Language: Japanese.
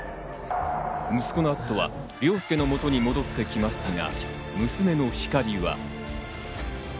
息子の篤斗は凌介の元に戻ってきますが、娘の光莉は。